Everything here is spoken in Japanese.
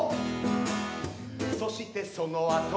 「そしてそのあと」